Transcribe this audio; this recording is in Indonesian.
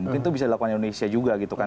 mungkin itu bisa dilakukan indonesia juga gitu kan